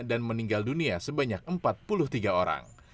dan meninggal dunia sebanyak empat puluh tiga orang